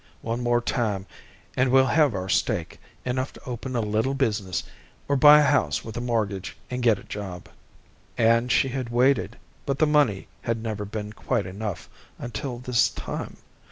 One more time, and we'll have our stake enough to open a little business, or buy a house with a mortgage and get a job._ And she had waited, but the money had never been quite enough until this time.